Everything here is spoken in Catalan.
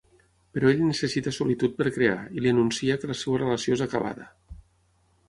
Però ell necessita solitud per crear, i li anuncia que la seva relació és acabada.